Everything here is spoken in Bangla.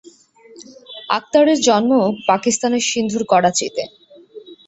আখতারের জন্ম পাকিস্তানের সিন্ধুর করাচিতে।